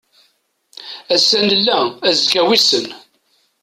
Ass-a nella, azekka wissen.